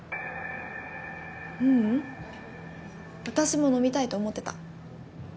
ううん私も飲みたいと思ってた。